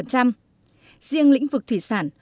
riêng lĩnh vực thủy sản